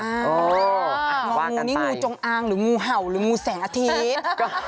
งองูนี่งูจงอางหรืองูเห่าหรืองูแสงอาทิตย์